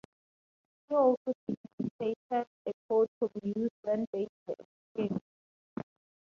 He also designated a code to be used when dates were exchanged.